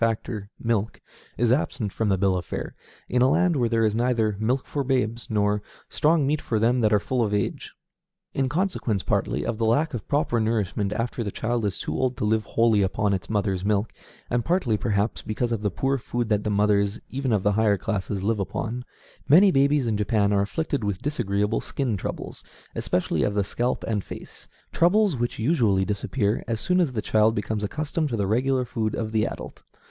Now both fresh and condensed milk are used, where the mother's milk is insufficient, but only in those parts of Japan where the foreign influence is felt.[*11] In consequence, partly, of the lack of proper nourishment after the child is too old to live wholly upon its mother's milk, and partly, perhaps, because of the poor food that the mothers, even of the higher classes, live upon, many babies in Japan are afflicted with disagreeable skin troubles, especially of the scalp and face, troubles which usually disappear as soon as the child becomes accustomed to the regular food of the adult.